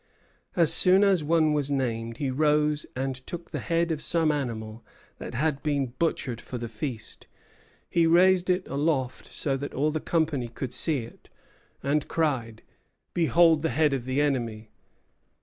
As soon as one was named he rose and took the head of some animal that had been butchered for the feast. He raised it aloft so that all the company could see it, and cried: 'Behold the head of the enemy!'